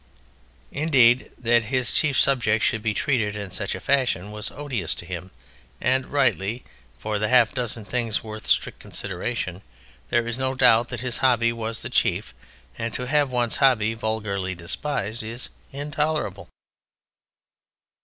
Indeed, that his chief subject should be treated in such a fashion was odious to him, and rightly, for of the half dozen things worth strict consideration, there is no doubt that his hobby was the chief, and to have one's hobby vulgarly despised is intolerable.